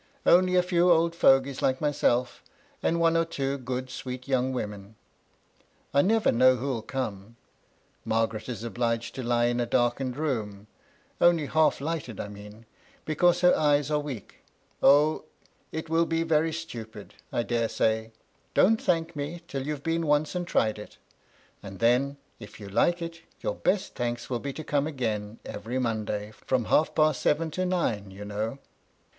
Only a few old fogies like myself, and one or two good BOUND THE SOFA. 7 sweet young women : I never know who'll come. Mar garet is obliged to lie in a darkened room, — only half lighted I mean, — because her eyes are weak,— oh, it will be very stupid, I dare say: don't thank me till you've been once and tried it, and then, if you like it, your best thanks will be to come again every Monday, firom half past seven to nine, you know.